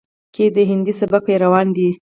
کې د هندي سبک پېروان دي،